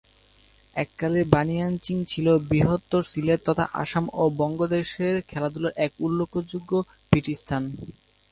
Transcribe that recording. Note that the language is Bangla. এককালে বানিয়াচং ছিল বৃহত্তর সিলেট তথা আসাম ও বঙ্গদেশের খেলাধুলার এক উল্লেখযোগ্য পীঠস্থান।